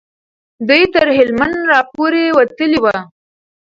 دوی تر هلمند را پورې وتلي وو.